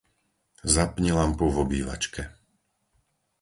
Zapni lampu v obývačke.